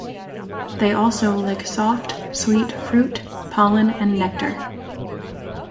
They also lick soft, sweet fruit, pollen, and nectar.